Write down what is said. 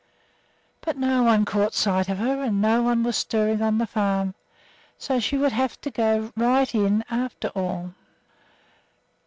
But no one caught sight of her, and no one was stirring on the farm; so she would have to go right in, after all.